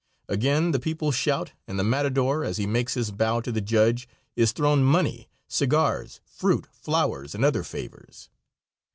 Again the people shout, and the matador, as he makes his bow to the judge, is thrown money, cigars, fruit, flowers and other favors.